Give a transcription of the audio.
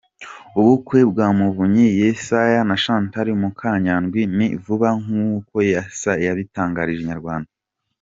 Ubukwe bwa Muvunyi Yesaya na Chantal Mukanyandwi ni vuba nk'uko Yesaya yabitangarije Inyarwanda.